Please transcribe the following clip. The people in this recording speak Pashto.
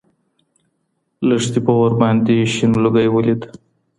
لښتې په اور باندې شین لوګی ولید.